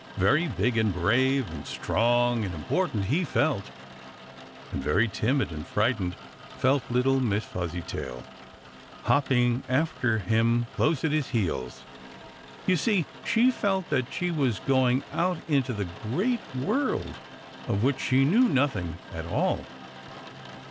Very big and brave and strong and important he felt, and very timid and frightened felt little Miss Fuzzytail, hopping after him close at his heels. You see, she felt that she was going out into the Great World, of which she knew nothing at all.